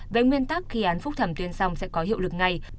với nguyên tắc khi án phúc thầm tuyên xong sẽ có hiệu lực ngay